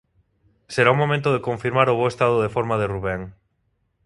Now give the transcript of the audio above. Será o momento de confirmar o bo estado de forma de Rubén.